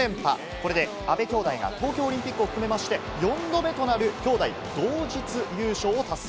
これで阿部兄妹が東京オリンピックを含めまして４度目となる兄妹、同日優勝を達成。